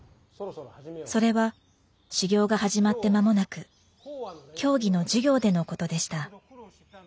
それは修行が始まってまもなく教義の授業でのことでした。